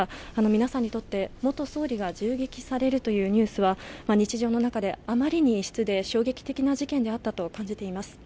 皆さんにとって、元総理が銃撃されるというニュースは日常の中であまりに異質で衝撃的な事件だったと感じています。